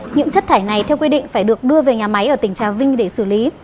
những chất thải này theo quy định phải được đưa về nhà máy ở tỉnh trà vinh để xử lý